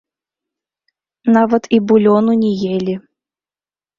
Нават і булёну не елі.